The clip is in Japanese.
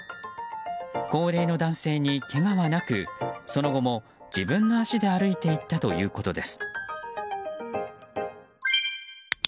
高齢の男性に、けがはなくその後も自分の足で歩いて行ったということです。